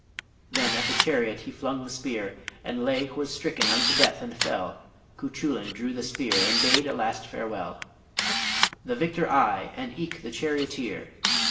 Then at the chariot he flung the spear, And Laegh was stricken unto death and fell Cuchullin drew the spear and bade a last farewell "The victor I, and eke the charioteer!"